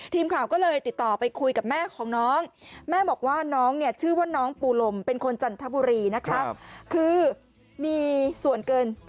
ทีมข่าวก็เลยติดต่อไปคุยกับแม่ของน้องแม่บอกว่าน้องเนี่ยชื่อว่าน้องปูลมเป็นคนจันทบุรีนะคะคือมีส่วนเกิน